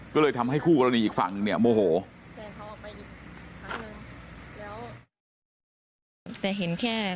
ก็เลยทำให้คู่กรณีอีกฝั่งเนี่ยโมโห